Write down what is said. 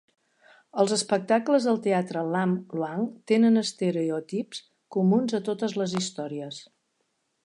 Els espectables del teatre Lam Luang tenen estereotips comuns a totes les històries.